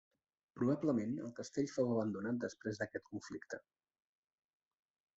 Probablement el castell fou abandonat després d'aquest conflicte.